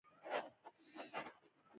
دا اعتقاد پر فزيکي حالت اوښتی دی.